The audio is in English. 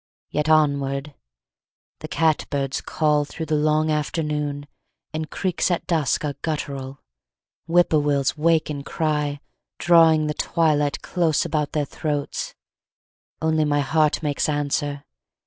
Yet onward! Cat birds call Through the long afternoon, and creeks at dusk Are guttural. Whip poor wills wake and cry, Drawing the twilight close about their throats. Only my heart makes answer.